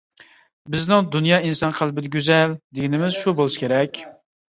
بىزنىڭ ‹ ‹دۇنيا ئىنسان قەلبىدە گۈزەل› › دېگىنىمىز شۇ بولسا كېرەك.